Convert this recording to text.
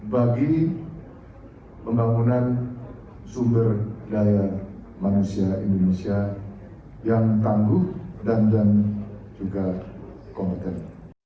bagi pembangunan sumber daya manusia indonesia yang tangguh dan juga kompeten